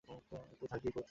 তো, থাকবি কোথায়?